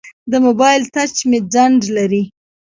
د موبایل ټچ مې ځنډ لري.